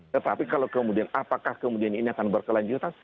tetapi kalau kemudian apakah kemudian ini akan berkelanjutan